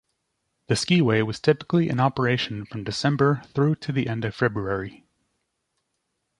The skiway was typically in operation from December through to the end of February.